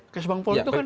kes bang pol itu kan